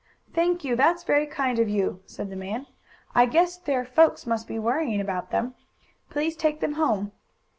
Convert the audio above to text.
"Thank you; that's very kind of you," said the man. "I guess their folks must be worrying about them. Please take them home."